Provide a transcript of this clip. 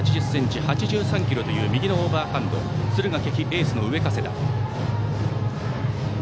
１ｍ８０ｃｍ、８３ｋｇという右のオーバーハンド敦賀気比、エースの上加世田。